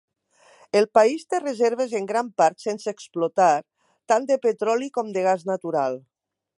El país té reserves en gran part sense explotar tant de petroli com de gas natural.